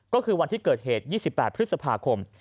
ก็คือวันที่เกิดเหตุ๒๘พฤษภาคม